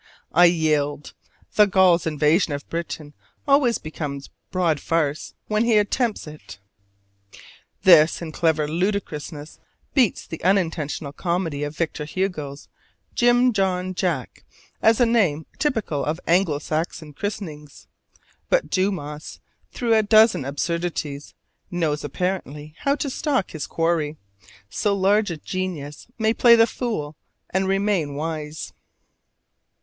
I yield! The Gaul's invasion of Britain always becomes broad farce when he attempts it. This in clever ludicrousness beats the unintentional comedy of Victor Hugo's "John Jim Jack" as a name typical of Anglo Saxon christenings. But Dumas, through a dozen absurdities, knows apparently how to stalk his quarry: so large a genius may play the fool and remain wise.